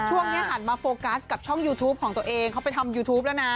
หันมาโฟกัสกับช่องยูทูปของตัวเองเขาไปทำยูทูปแล้วนะ